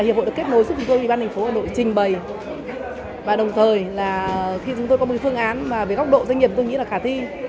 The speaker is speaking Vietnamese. hiệp hội đã kết nối giúp chúng tôi ủy ban thành phố hà nội trình bày và đồng thời là khi chúng tôi có một phương án mà về góc độ doanh nghiệp tôi nghĩ là khả thi